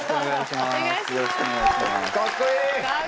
かっこいい！